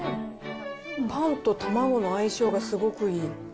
パンとたまごの相性がすごくいい。